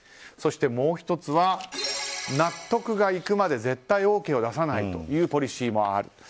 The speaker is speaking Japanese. そして、もう１つは納得がいくまで絶対ＯＫを出さないというポリシーもある。